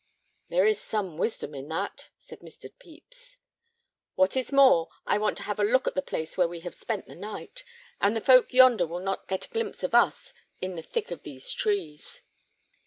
"There is some wisdom in that," said Mr. Pepys. "What is more, I want to have a look at the place where we have spent the night. And the folk yonder will not get a glimpse of us in the thick of these trees."